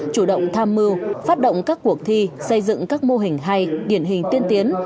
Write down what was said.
chủ động tham mưu phát động các cuộc thi xây dựng các mô hình hay điển hình tiên tiến